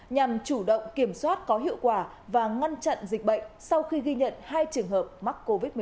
nhằm chủ động kiểm soát có hiệu quả và ngăn chặn dịch bệnh sau khi ghi nhận hai trường hợp mắc covid một mươi chín